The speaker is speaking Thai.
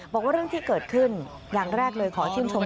บอกว่าเรื่องที่เกิดขึ้นอย่างแรกเลยขอชื่นชม